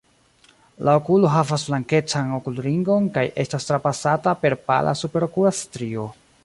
La okulo havas blankecan okulringon kaj estas trapasata per pala superokula strio.